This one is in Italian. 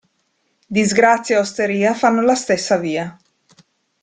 Disgrazia e osteria fanno la stessa via.